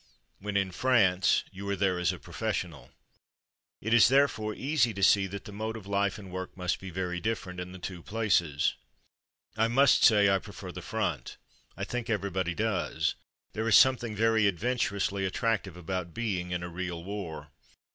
When in France, you are there as a professional. It is, therefore, easy 32 Barrack Routine 33 to see that the mode of life and work must be very diflFerent in the two places. I must say I prefer the front. I think everybody does. There is something very adventur ously attractive about being in a real war.